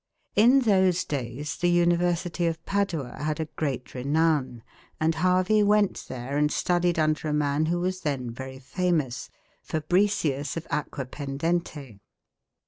In those days the University of Padua had a great renown; and Harvey went there and studied under a man who was then very famous Fabricius of Aquapendente.